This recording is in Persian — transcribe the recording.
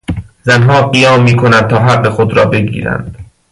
زنها قیام میکنند تا حق خود را بگیرند.